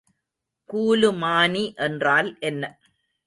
கூலுமானி என்றால் என்ன?